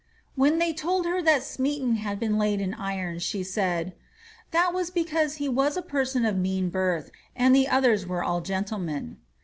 "" Wlien they told her that Smeaton had been laid in irons, she said, ^ that was because he was a person of mean birth, and the others were ill gentlemen.''